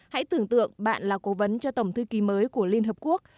hãy tưởng tượng bạn là cố vấn cho tổng thư ký mới của liên hợp quốc